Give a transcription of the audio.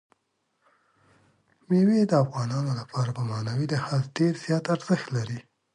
مېوې د افغانانو لپاره په معنوي لحاظ ډېر زیات ارزښت لري.